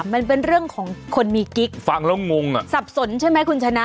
มันเป็นเรื่องของคนมีกิ๊ก